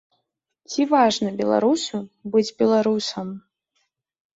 Ці важна беларусу быць беларусам?